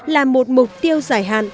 là một mục tiêu giải hóa